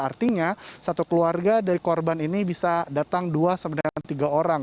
artinya satu keluarga dari korban ini bisa datang dua sampai dengan tiga orang